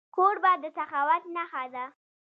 کوربه د سخاوت نښه ده.